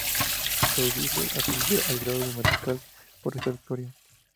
Soubise ascendió al grado de Mariscal por esta victoria.